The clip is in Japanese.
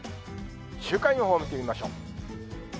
週間予報を見てみましょう。